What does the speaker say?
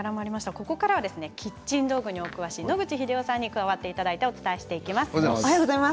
ここからはキッチン道具にお詳しい野口英世さんに加わっていただきお伝えしていきます。